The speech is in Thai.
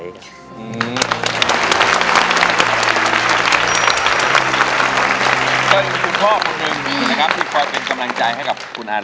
ก็มีคุณพ่อคนหนึ่งนะครับที่คอยเป็นกำลังใจให้กับคุณอัน